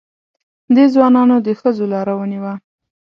دې ځوانانو د ښځو لاره ونیوه.